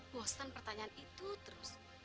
bosan pertanyaan itu terus